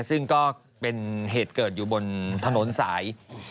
ซึ่งก็เป็นเหตุเกิดอยู่บนถนนสาย